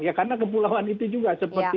ya karena kepulauan itu juga seperti